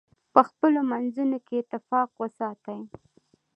په خپلو منځونو کې اتفاق وساتئ.